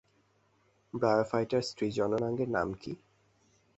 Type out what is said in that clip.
ব্রায়োফাইটার স্ত্রী জননাঙ্গের নাম কী?